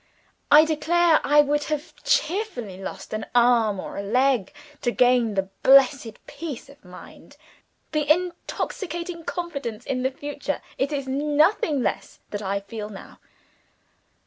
I declare I would have cheerfully lost an arm or a leg to gain the blessed peace of mind, the intoxicating confidence in the future it is nothing less that I feel now.